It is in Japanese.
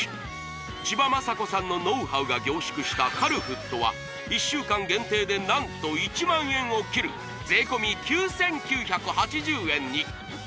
千葉真子さんのノウハウが凝縮したカルフットは１週間限定で何と１万円を切る税込９９８０円に！